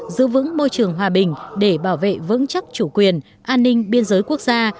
giữ vững môi trường hòa bình để bảo vệ vững chắc chủ quyền an ninh biên giới quốc gia